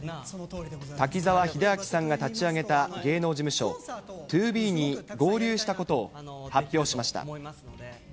滝沢秀明さんが立ち上げた芸能事務所、ＴＯＢＥに合流したことを発表しました。